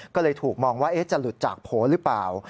ก็เลยถูกมองว่าจะหลุดจากโผล่หรือเปล่า